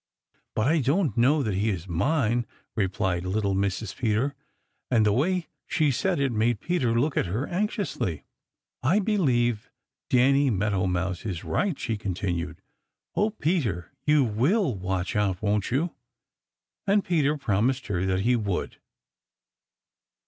"But I don't know that he is mine!" replied little Mrs. Peter, and the way she said it made Peter look at her anxiously. "I believe Danny Meadow Mouse is right," she continued, "Oh, Peter, you will watch out, won't you?" And Peter promised her that he would.